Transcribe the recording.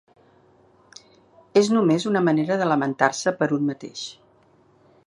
És només una manera de lamentar-se per un mateix.